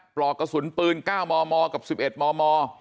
ปลอกกระสุนปืนเก้ามมกับสิบเอ็ดมม